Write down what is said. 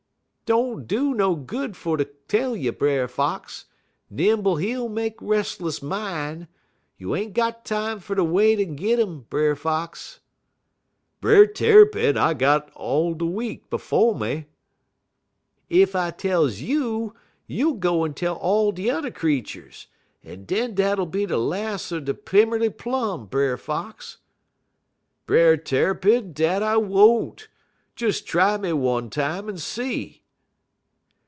"'Don't do no good fer ter tell you, Brer Fox. Nimble heel make restless min'. You ain't got time fer ter wait en git um, Brer Fox.' "'Brer Tarrypin, I got all de week befo' me.' "'Ef I tells you, you'll go en tell all de t'er creeturs, en den dat'll be de las' er de Pimmerly Plum, Brer Fox.' "'Brer Tarrypin, dat I won't. Des try me one time en see.'